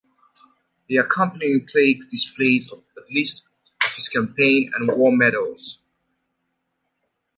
The accompanying plaque displays a list of his campaign and war medals.